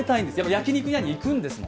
焼き肉屋にいくんですよ。